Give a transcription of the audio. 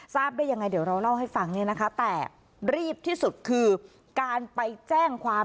ได้ยังไงเดี๋ยวเราเล่าให้ฟังเนี่ยนะคะแต่รีบที่สุดคือการไปแจ้งความ